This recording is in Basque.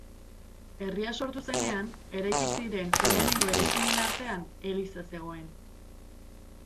Herria sortu zenean, eraiki ziren lehenengo eraikinen artean, eliza zegoen.